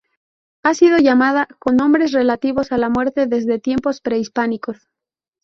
Ha sido llamada con nombres relativos a la muerte desde tiempos prehispánicos.